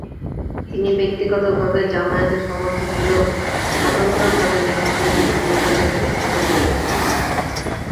তিনি ব্যক্তিগত ভাবে জামায়াতের সমর্থক হলেও স্বতন্ত্র ভাবে নির্বাচন করে জয়ী হন।